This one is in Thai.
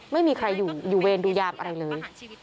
ไม่มีใครอยู่อยู่เวรดูยามอะไรเลย